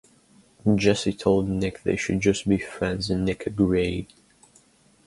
Jessi told Nick they should just be friends and Nick agreed.